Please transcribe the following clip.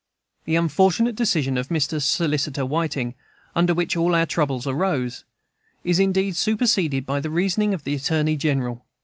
The unfortunate decision of Mr. Solicitor Whiting, under which all our troubles arose, is indeed superseded by the reasoning of the Attorney General.